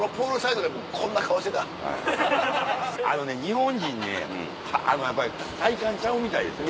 はいあのね日本人ねやっぱり体感ちゃうみたいですよ。